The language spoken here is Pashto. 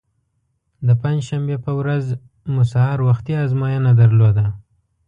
د پنجشنبې په ورځ مو سهار وختي ازموینه درلوده.